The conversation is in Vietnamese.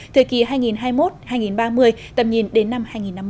thời kỳ hai nghìn hai mươi một hai nghìn ba mươi tầm nhìn đến năm hai nghìn năm mươi